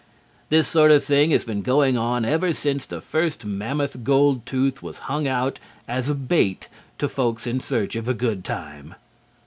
This sort of thing has been going on ever since the first mammoth gold tooth was hung out as a bait to folks in search of a good time.